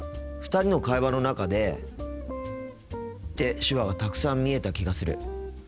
２人の会話の中でって手話がたくさん見えた気がする。